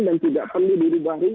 dan tidak perlu diri baru